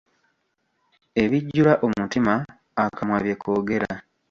Ebijjula omutima akamwa bye koogera.